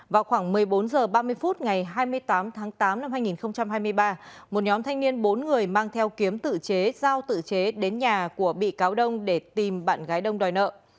vào khoảng một mươi bốn h ba mươi phút ngày hai mươi tám tháng tám năm hai nghìn hai mươi ba một nhóm thanh niên bốn người mang theo kiếm tự chế giao tự chế đến nhà của bị cáo đông để tìm bạn gái đông đòi nợ